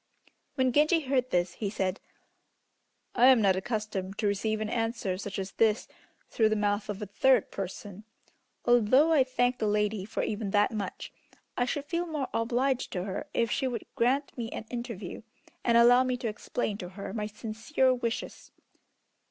When Genji heard this, he said: "I am not accustomed to receive an answer such as this through the mouth of a third person. Although I thank the lady for even that much, I should feel more obliged to her if she would grant me an interview, and allow me to explain to her my sincere wishes."